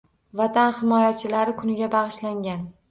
Vatan himoyachilari kuniga bagʻishlangan